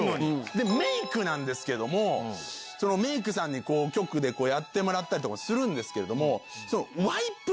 でメイクなんですけどもメイクさんに局でやってもらったりするんですけど。